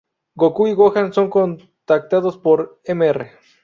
Goku y Gohan son contactados por Mr.